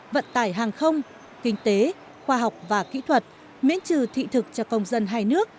vận tải hàng không kinh tế khoa học và kỹ thuật miễn trừ thị thực cho công dân hai nước